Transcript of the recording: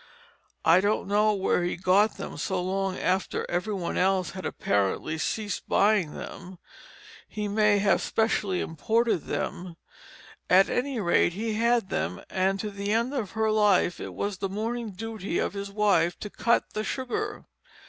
I don't know where he got them so long after every one else had apparently ceased buying them he may have specially imported them; at any rate he had them, and to the end of her life it was the morning duty of his wife "to cut the sugar."